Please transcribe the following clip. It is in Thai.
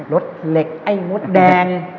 รถเหล็กไอ้มดแดง